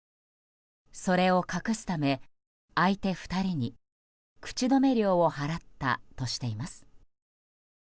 それを隠すため、相手２人に口止め料を払ったとしています。